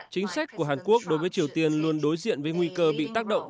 chính sách của hàn quốc đối với triều tiên luôn đối diện với nguy cơ bị tác động